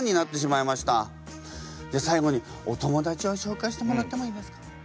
じゃ最後にお友達を紹介してもらってもいいですか？